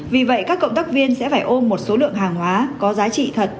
vì vậy các cộng tác viên sẽ phải ôm một số lượng hàng hóa có giá trị thật